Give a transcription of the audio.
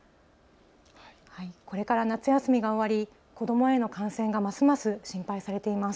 これから夏休みが終わり、子どもへの感染がますます心配されています。